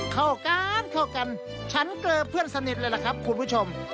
เข้ากันเข้ากันฉันเกลือเพื่อนสนิทเลยล่ะครับคุณผู้ชม